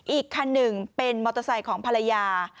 อีกคันหนึ่งเป็นมอเตอร์ไซค์ของภรรยา